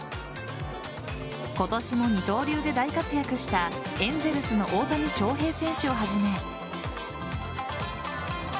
今年も二刀流で大活躍したエンゼルスの大谷翔平選手をはじめ。